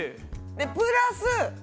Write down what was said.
でプラスふ。